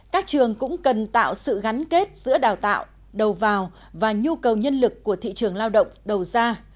các trường cũng cần tạo sự gắn kết giữa đào tạo đầu vào và nhu cầu nhân lực của thị trường lao động đầu ra